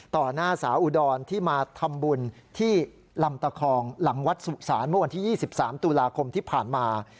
หน้าสาวอุดรที่มาทำบุญที่ลำตะคองหลังวัดสุสานเมื่อวันที่๒๓ตุลาคมที่ผ่านมา